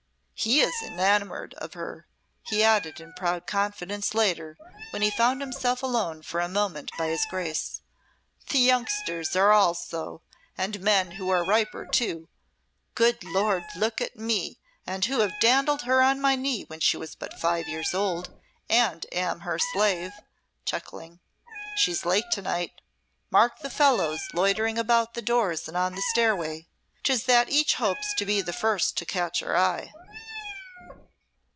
'" "He is enamoured of her," he added in proud confidence later when he found himself alone for a moment by his Grace. "The youngsters are all so and men who are riper, too. Good Lord, look at me who have dandled her on my knee when she was but five years old and am her slave," chuckling. "She's late to night. Mark the fellows loitering about the doors and on the stairway. 'Tis that each hopes to be the first to catch her eye."